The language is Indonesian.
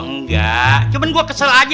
enggak cuma gue kesel aja